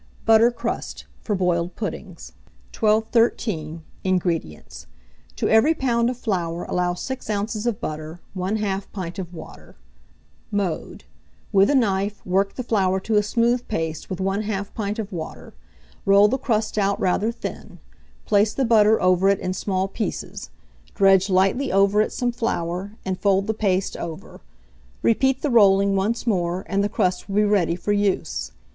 BUTTER CRUST, for Boiled Puddings. 1213. INGREDIENTS. To every lb. of flour allow 6 oz. of butter, 1/2 pint of water. Mode. With a knife, work the flour to a smooth paste with 1/2 pint of water; roll the crust out rather thin; place the butter over it in small pieces; dredge lightly over it some flour, and fold the paste over; repeat the rolling once more, and the crust will be ready for use.